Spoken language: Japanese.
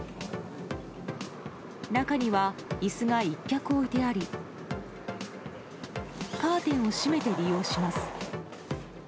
中には、いすが１脚置いてあり、カーテンを閉めて利用します。